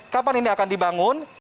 kapan ini akan dibangun